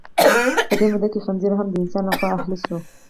په دې موده کې خنزیر هم د انسان لخوا اهلي شو.